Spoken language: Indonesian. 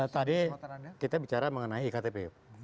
tadi kita bicara mengenai iktp